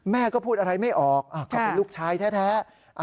แม่ก็พูดอะไรไม่ออกก็เป็นลูกชายแท้